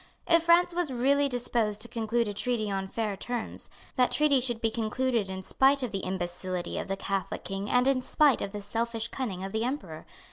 If France was really disposed to conclude a treaty on fair terms, that treaty should be concluded in spite of the imbecility of the Catholic King and in spite of the selfish cunning of the Emperor.